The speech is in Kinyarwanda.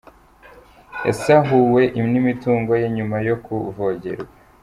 Yasahuwe n’imitungo ye nyuma yo kuvogerwa